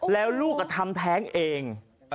แล้วลูกทำแท้งเอง